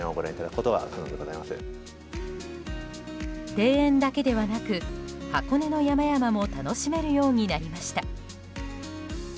庭園だけではなく箱根の山々も楽しめるようになりました。